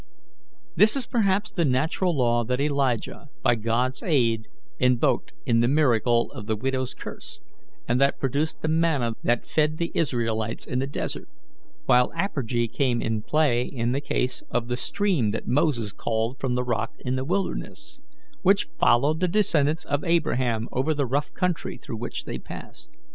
This is perhaps the natural law that Elijah, by God's aid, invoked in the miracle of the widow's cruse, and that produced the manna that fed the Israelites in the desert; while apergy came in play in the case of the stream that Moses called from the rock in the wilderness, which followed the descendants of Abraham over the rough country through which they passed.